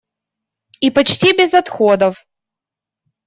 И почти без отходов.